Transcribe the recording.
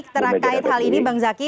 terkait hal ini bang zaky